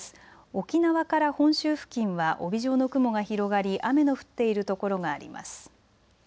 沖縄から本州付近は帯状の雲が広がり雨の降っている所があります。